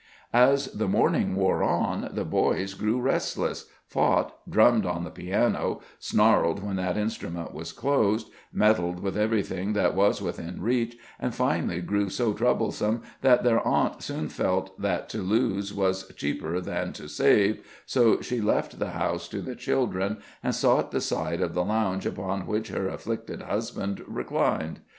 As the morning wore on, the boys grew restless, fought, drummed on the piano, snarled when that instrument was closed, meddled with everything that was within reach, and finally grew so troublesome that their aunt soon felt that to lose was cheaper than to save, so she left the house to the children, and sought the side of the lounge upon which her afflicted husband reclined.